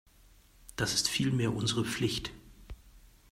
Das ist vielmehr unsere Pflicht.